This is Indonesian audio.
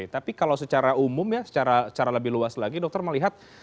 tapi kalau secara umum ya secara lebih luas lagi dokter melihat